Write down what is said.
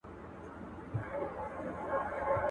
o اوبه پر لوړه وهه، کته په خپله ځي.